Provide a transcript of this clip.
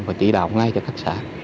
và chỉ đạo ngay cho khách sạn